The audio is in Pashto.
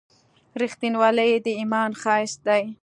• رښتینولي د ایمان ښایست دی.